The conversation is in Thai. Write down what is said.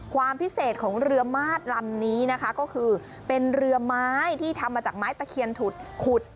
ความพิเศษของเรือมาดลำนี้นะคะก็คือเป็นเรือไม้ที่ทำมาจากไม้ตะเคียนถุดขุด